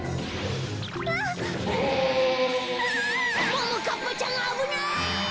ももかっぱちゃんあぶない！